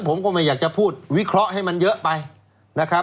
ผมก็ไม่อยากจะพูดวิเคราะห์ให้มันเยอะไปนะครับ